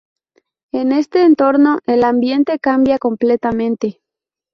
En este entorno el ambiente cambia completamente.